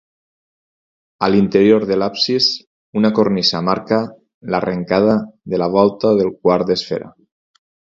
A l'interior de l'absis, una cornisa marca l'arrencada de la volta de quart d'esfera.